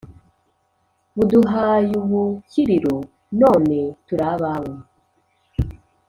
buduhay' ubukiriro. none tur' abawe